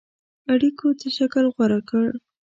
اړېکو څه شکل غوره کړ.